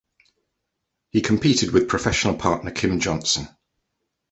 He competed with professional partner Kym Johnson.